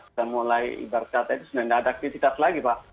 sudah mulai ibarat kata itu sudah tidak ada aktivitas lagi pak